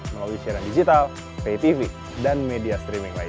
melalui siaran digital pay tv dan media streaming lain